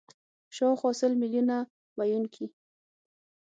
شاوخوا سل میلیونه ویونکي